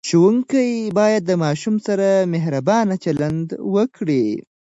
ښوونکي باید د ماشوم سره مهربانه چلند وکړي.